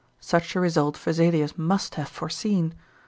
Such a result Vesalius must have foreseen.